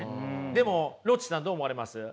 でもロッチさんどう思われます？